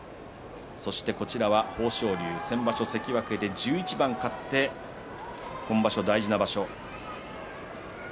豊昇龍は先場所、関脇で１１番勝って今場所は大事な場所。